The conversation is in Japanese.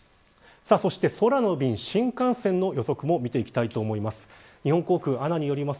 そして空の便新幹線の予測も見ていきます。